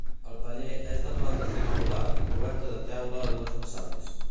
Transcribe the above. El paller és de planta circular i coberta de teula a dues vessants.